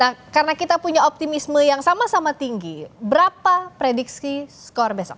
nah karena kita punya optimisme yang sama sama tinggi berapa prediksi skor besok